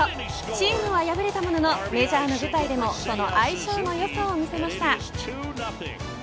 チームは敗れたもののメジャーの舞台でもその相性のよさを見せました。